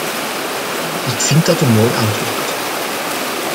Ik vind dat een mooi antwoord.